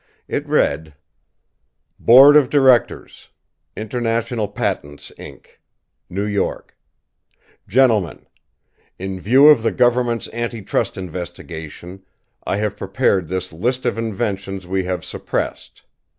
It read: BOARD OF DIRECTORS, International Patents, Inc., New York. GENTLEMEN, In view of the government's anti trust investigation, I have prepared this list of inventions we have suppressed.